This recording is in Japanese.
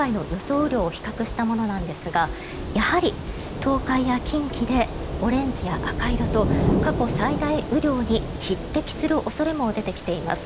雨量を比較したものなんですがやはり東海や近畿でオレンジや赤色と過去最大雨量に匹敵する恐れも出てきています。